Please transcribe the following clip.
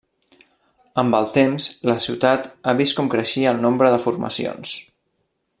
Amb el temps, la ciutat ha vist com creixia el nombre de formacions.